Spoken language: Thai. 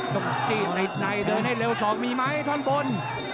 ต้องจีนในเดินให้เร็วสอบมีไหมถ้านบน